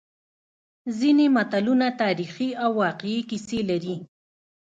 ځینې متلونه تاریخي او واقعي کیسې لري